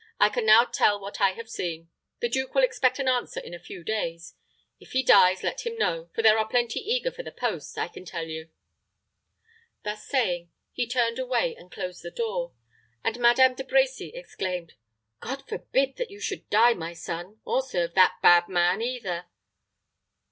"I can now tell what I have seen. The duke will expect an answer in a few days. If he dies, let him know, for there are plenty eager for the post, I can tell you." Thus saying, he turned away and closed the door; and Madame De Brecy exclaimed, "God forbid that you should die, my son, or serve that bad man either."